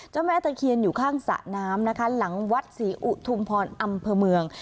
แม่ตะเคียนอยู่ข้างสระน้ำนะคะหลังวัดศรีอุทุมพรอำเภอเมือง